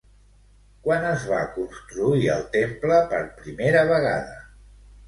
Quan es va construir el temple per primera vegada?